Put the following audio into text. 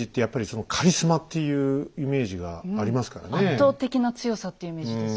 圧倒的な強さっていうイメージですよね。